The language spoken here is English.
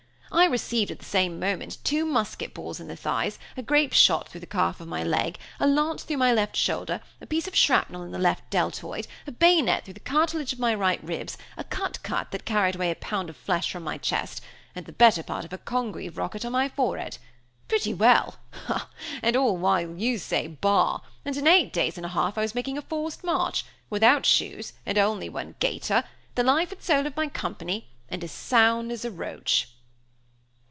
I received, at the same moment, two musket balls in the thighs, a grape shot through the calf of my leg, a lance through my left shoulder, a piece of a shrapnel in the left deltoid, a bayonet through the cartilage of my right ribs, a cut cut that carried away a pound of flesh from my chest, and the better part of a congreve rocket on my forehead. Pretty well, ha, ha! and all while you'd say bah! and in eight days and a half I was making a forced march, without shoes, and only one gaiter, the life and soul of my company, and as sound as a roach!"